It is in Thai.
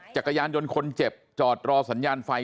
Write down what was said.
จักรยานยนต์คนเจ็บจอดรอสัญญาณไฟ